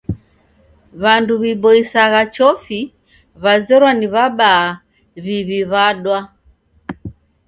W'andu w'iboisagha chofi w'azerwa na w'abaa w'iw'wadwaa